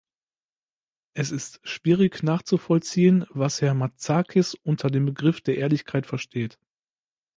Es ist schwierig nachzuvollziehen, was Herr Matsakis unter dem Begriff der Ehrlichkeit versteht.